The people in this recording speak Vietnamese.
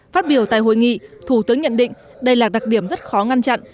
phát biểu tại hội nghị thủ tướng nhận định đây là đặc điểm rất khó ngăn chặn